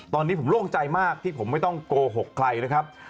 ตอนนี้ผมโล่งใจมากที่ผมไม่ต้องโกหกใครนะครับ